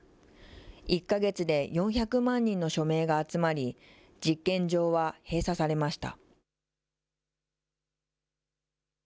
１か月で４００万人の署名が集まり、実験場は閉鎖されました。